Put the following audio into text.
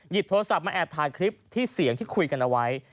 โทรศัพท์มาแอบถ่ายคลิปที่เสียงที่คุยกันเอาไว้